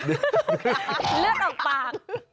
เออเลือดออกปาก